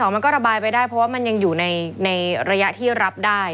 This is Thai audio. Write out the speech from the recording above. ไม่ได้เพราะว่ามันยังอยู่ในระยะที่รับได้